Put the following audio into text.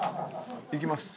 いきます。